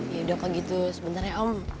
yaudah kak gitu sebentar ya om